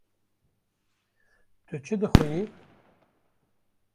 Tu çi dixwînî?